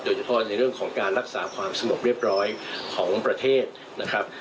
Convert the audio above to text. โดยเฉพาะในเรื่องของการรักษาความสงบเรียบร้อยของประเทศนะครับ